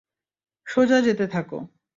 সোজা যেতে থাকো।